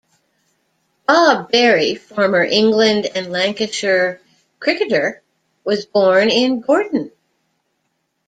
Bob Berry, former England and Lancashire cricketer, was born in Gorton.